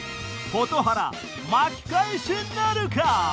蛍原巻き返しなるか？